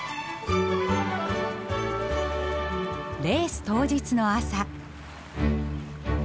レース当日の朝。